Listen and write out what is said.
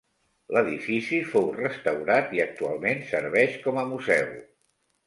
L'edifici fou restaurat i actualment serveix com a museu.